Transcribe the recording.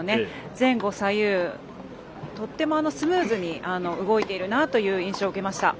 前後左右、とってもスムーズに動いているなという印象を受けました。